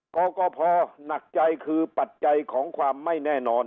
กกพหนักใจคือปัจจัยของความไม่แน่นอน